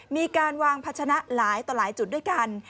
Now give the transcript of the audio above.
มีการวางพัชนะหลายต่อหลายจุดด้วยกัน